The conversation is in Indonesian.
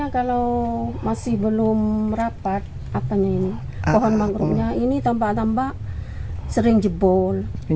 kalau masih belum rapat apanya ini pohon mangrovenya ini tambak tambak sering jebol